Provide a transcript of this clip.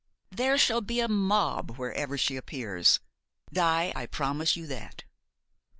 There shall be a mob wherever she appears, Di, I promise you that.